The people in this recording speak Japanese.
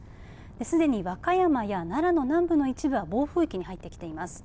すでに和歌山や奈良の南部の一部が暴風域に入ってきています。